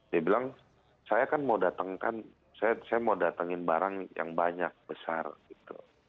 dia bilang saya kan mau datangkan saya mau datangin barang yang banyak besar gitu